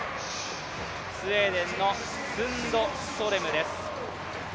スウェーデンのスンドストレムです。